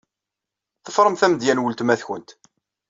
Ḍefṛemt amedya n weltma-tkent.